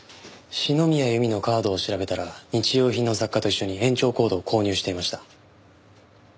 篠宮由美のカードを調べたら日用品の雑貨と一緒に延長コードを購入していました。